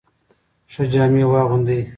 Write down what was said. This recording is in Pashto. ښه جامې واغوندئ.